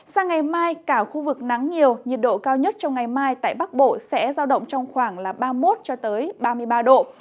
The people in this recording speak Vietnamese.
sang ngày mai cả khu vực nắng nhiều nhiệt độ cao nhất trong ngày mai tại bắc bộ sẽ giao động trong khoảng ba mươi một ba mươi ba độ